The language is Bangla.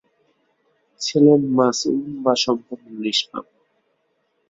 ছিলেন মাসুম বা সম্পূর্ণ নিষ্পাপ।